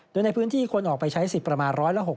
โดยในพื้นที่คนออกไปใช้สิทธิ์ประมาณ๑๖๐